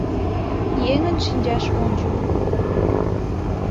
Еҥын шинчаш ончымо